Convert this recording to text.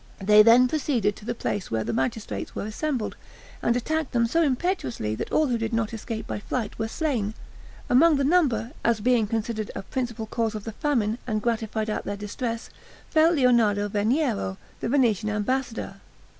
They then proceeded to the place where the magistrates were assembled, and attacked them so impetuously that all who did not escape by flight were slain: among the number, as being considered a principal cause of the famine, and gratified at their distress, fell Lionardo Veniero, the Venetian ambassador.